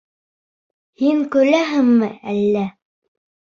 Һин көләһеңме әллә?